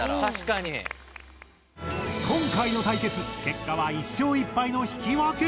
今回の対決結果は１勝１敗の引き分け。